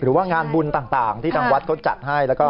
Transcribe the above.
หรือว่างานบุญต่างที่ทางวัดเขาจัดให้แล้วก็